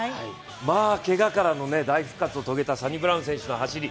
まあ、けがからの大復活を遂げたサニブラウン選手の走り。